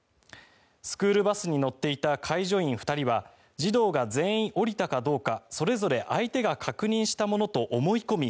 スクールバスに乗っていた介助員２人は児童が全員降りたかどうかそれぞれ相手が確認したものと思い込み